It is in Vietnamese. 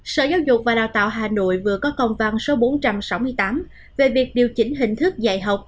sở giáo dục và đào tạo hà nội vừa có công văn số bốn trăm sáu mươi tám về việc điều chỉnh hình thức dạy học